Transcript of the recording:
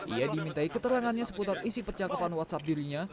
ia dimintai keterangannya seputar isi percakapan whatsapp dirinya